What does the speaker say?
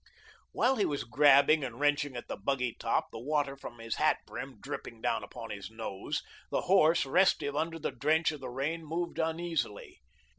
While he was grabbing and wrenching at the buggy top, the water from his hat brim dripping down upon his nose, the horse, restive under the drench of the rain, moved uneasily.